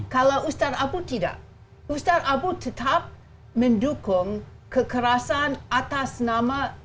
kalau ustadz abu tidak ustadz abu tetap mendukung kekerasan atas nama